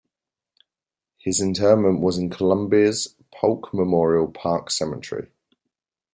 His interment was in Columbia's Polk Memorial Park Cemetery.